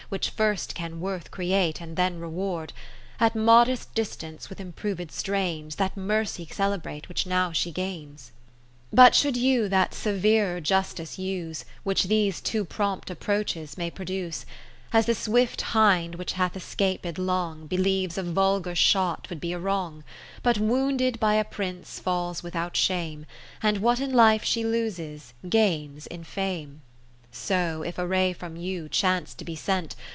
Which first can worth create, and then reward) At modest distance with improved strains That Mercy celebrate which now she gains. 20 But should you that severer justice use, Which these too prompt approaches may produce. As the swift hind which hath es caped long, Believes a vulgar shot would be a wrong ; But wounded by a Prince falls with out shame, And what in life she loses, gains in fame : So if a ray from you chance to be sent.